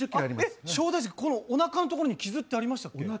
えっ、正代関、おなかのところに傷ってありましたっけ？